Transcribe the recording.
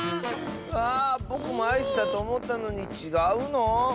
あぼくもアイスだとおもったのにちがうの？